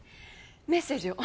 メッセージを。